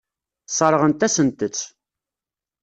Sseṛɣent-asent-tt.